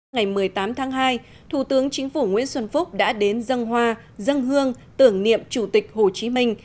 ngày một mươi tám tháng hai thủ tướng chính phủ nguyễn xuân phúc đã đến dân hoa dân hương tưởng niệm chủ tịch hồ chí minh